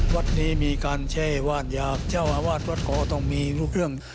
วัดนี้มีการแช่ว่านอยากเจ้าอาวาสวัดขอต้องมีรู้เรื่อง